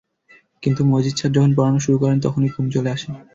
কিন্তু মজিদ স্যার যখন পড়ানো শুরু করেন, তখনই ঘুম চলে আসে।